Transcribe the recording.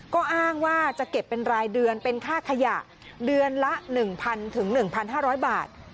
ก็อ้างว่าจะเก็บเป็นรายเดือนเป็นค่าขยะเดือนละ๑๐๐๑๕๐๐บาท